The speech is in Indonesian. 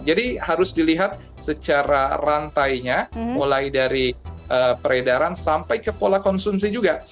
jadi harus dilihat secara rantainya mulai dari peredaran sampai ke pola konsumsi juga